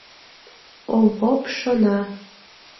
Овоп шона.